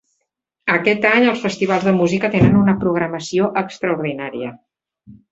Aquest any els festivals de Música tenen una programació extraordinària.